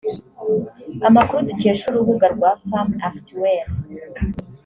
Amakuru dukesha urubuga rwa femme actuelle